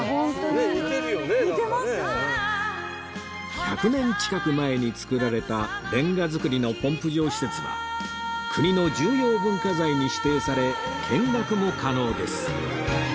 １００年近く前に造られたレンガ造りのポンプ場施設は国の重要文化財に指定され見学も可能です